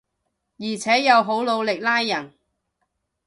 而且又好努力拉人